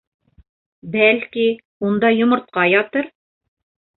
Бәлки, унда йомортҡа ятыр?